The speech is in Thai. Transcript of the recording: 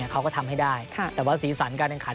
เขาก็ทำให้ได้แต่ว่าสีสันการแข่งขัน